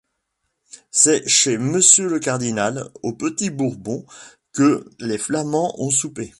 C’est chez Monsieur le cardinal, au Petit-Bourbon, que les flamands ont soupé.